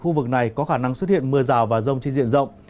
thì khu vực này có khả năng xuất hiện mưa rào và rông chi diện rộng